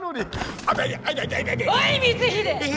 おい光秀！